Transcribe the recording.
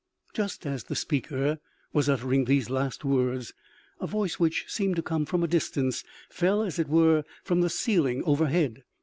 Just as the speaker was uttering these last words, a voice, which seemed to come from a distance, fell, as it were, from the ceiling overhead.